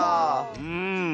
うん。